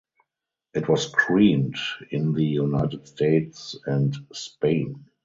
It was screened in the United States and Spain.